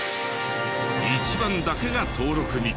一番だけが登録に。